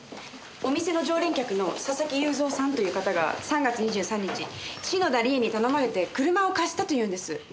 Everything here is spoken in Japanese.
お店の常連客の佐々木雄三さんという方が３月２３日篠田理恵に頼まれて車を貸したと言うんです。